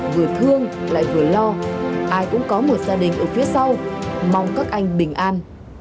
vừa thương lại vừa lo ai cũng có một gia đình ở phía sau mong các anh bình an